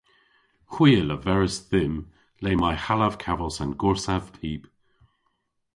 Hwi a leveris dhymm le may hallav kavos an gorsav pib.